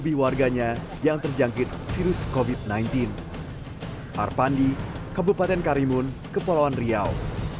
harpandi kabupaten karimun kepulauan riau